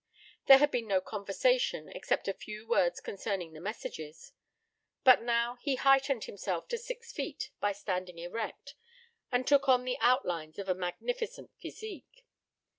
There had been no conversation, except a few words concerning the messages. But now he heightened himself to six feet by standing erect, and took on the outlines of a magnificent physique.